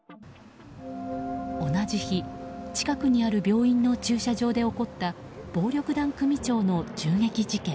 同じ日、近くにある病院の駐車場で起こった暴力団組長の銃撃事件。